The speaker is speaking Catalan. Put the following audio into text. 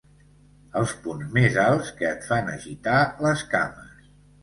Els punts més alts que et fan agitar les cames.